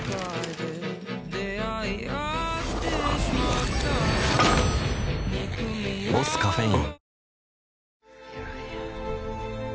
うん「ボスカフェイン」